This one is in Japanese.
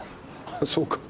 そうか。